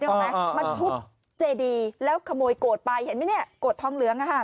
ออกไหมมันทุบเจดีแล้วขโมยโกรธไปเห็นไหมเนี่ยโกรธทองเหลืองอ่ะค่ะ